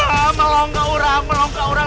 maaa melonggak orang melonggak orang